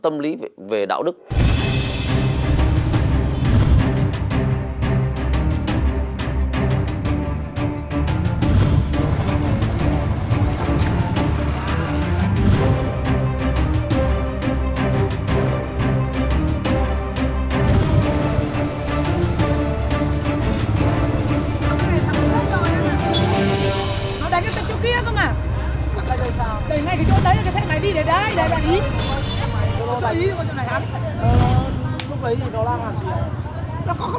ai bị thương không